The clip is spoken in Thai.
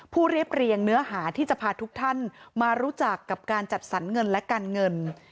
เรียบเรียงเนื้อหาที่จะพาทุกท่านมารู้จักกับการจัดสรรเงินและการเงิน